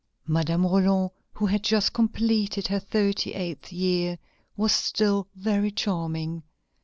Madame Roland, who had just completed her thirty eighth year, was still very charming.